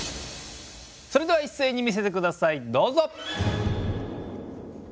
それではいっせいに見せてくださいどうぞ！